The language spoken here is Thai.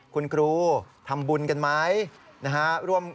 คุณครูทำบุญกันไหม